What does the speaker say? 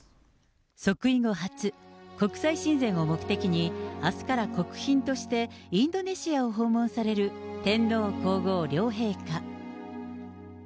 即位後初、国際親善を目的に、あすから国賓として、インドネシアを訪問される天皇皇后両陛下。